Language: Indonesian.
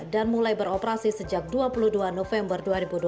dan mulai beroperasi sejak dua puluh dua november dua ribu dua puluh satu